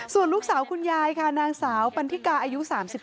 ส่วนลูกสาวคุณยายค่ะนางสาวปันทิกาอายุ๓๓